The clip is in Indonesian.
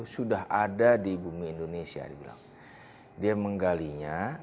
sudah ada di bumi indonesia dibilang dia menggalinya